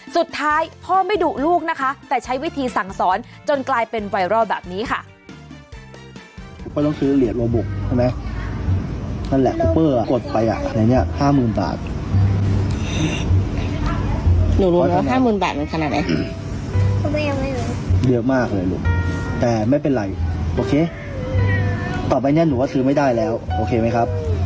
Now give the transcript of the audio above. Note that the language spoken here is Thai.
สุดท้ายพ่อไม่ดุลูกนะคะแต่ใช้วิธีสั่งสอนจนกลายเป็นไวรัลแบบนี้ค่ะ